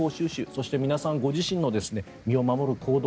そして、皆さんご自身の身を守る行動